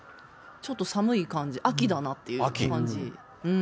ちょっと寒い感じ、秋だなっていう感じ。